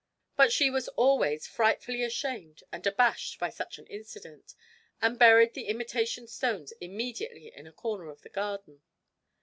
But she was always frightfully ashamed and abashed by such an accident, and buried the imitation stones immediately in a corner of the garden.